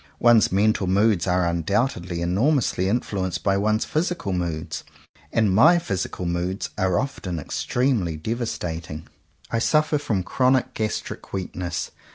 One's mental moods are undoubtedly enormously influenced by one's physical moods; and my physical moods are often extremely devastating. I suffer from chronic gastric weakness.